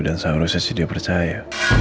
dan seharusnya si dia percaya